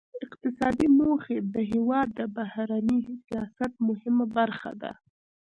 اقتصادي موخې د هیواد د بهرني سیاست مهمه برخه ده